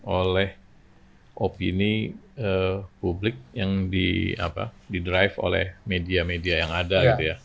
oleh opini publik yang di drive oleh media media yang ada